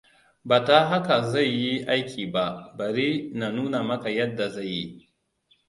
Ba ta haka zai yi aiki ba. Bari na nuna maka yadda zai yi.